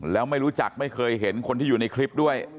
แล้วไม่รู้จักไม่เคยเห็นคนที่อยู่ในคลิปด้วย